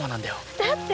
だって！